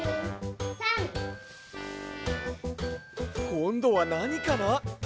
こんどはなにかな？